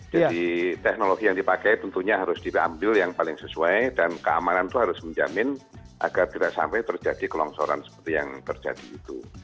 jadi teknologi yang dipakai tentunya harus diambil yang paling sesuai dan keamanan itu harus menjamin agar tidak sampai terjadi kelongsoran seperti yang terjadi itu